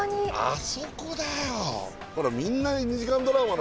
あそこだよ。